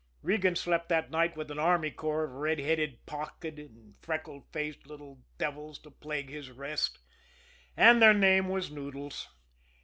Regan slept that night with an army corps of red headed, pocked, and freckled faced little devils to plague his rest and their name was Noodles.